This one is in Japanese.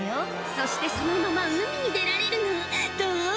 「そしてそのまま海に出られるのどう？